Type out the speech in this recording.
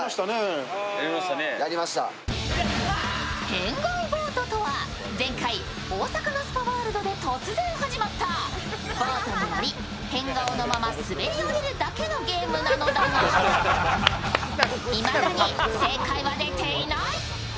変顔ボートとは前回大阪のスパワールドで突然始まった、ボートに乗り、変顔のまま滑り降りるだけのゲームなのだが、いまだに正解は出ていない。